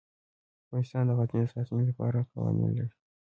افغانستان د غزني د ساتنې لپاره قوانین لري.